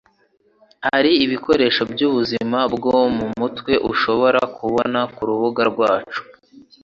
hari ibikoresho byubuzima bwo mumutwe ushobora kubona kurubuga rwacu.